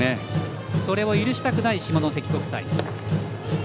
それを許したくない下関国際。